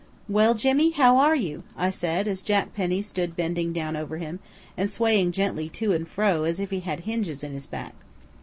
"Well, Jimmy, how are you?" I said, as Jack Penny stood bending down over him, and swaying gently to and fro as if he had hinges in his back.